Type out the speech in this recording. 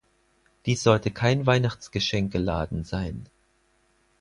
Dies sollte kein Weihnachtsgeschenkeladen sein.